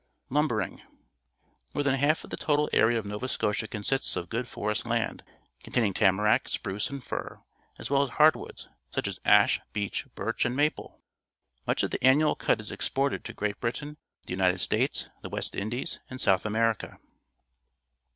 Lumbering. — More than half of the total area of Kova Scotia consists of good forest lands , containing tamarack, spruce, and fir, as well as hardwoods, such as ash, beech,^ birch, a nd maoilfi. Much of the annual cut is exported to Great Britain, the United States, the West Indies, and South America.